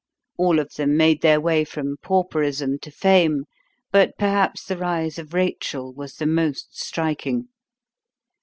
All of them made their way from pauperism to fame; but perhaps the rise of Rachel was the most striking.